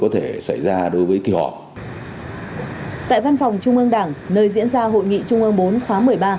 tại văn phòng trung ương đảng nơi diễn ra hội nghị trung ương bốn khóa một mươi ba